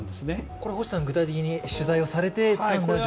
これ星さん、具体的に取材をされてつかんだ情報ですね？